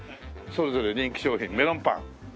それぞれ人気商品メロンパン。